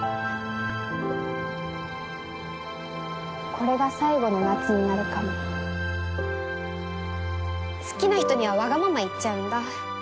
これが最後の夏になるかも好きな人にはわがまま言っちゃうんだ